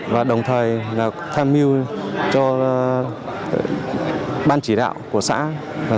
và đồng thời tham mưu cho ban chỉ đạo của xã